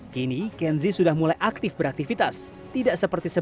kini kenzi sudah mulai aktif beraktivitas tidak seperti sebelumnya